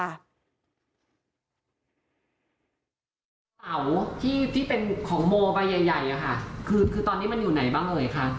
กระเป๋าที่ที่เป็นของโมไปใหญ่ใหญ่อะค่ะคือคือตอนนี้มันอยู่ไหนบ้างเลยค่ะ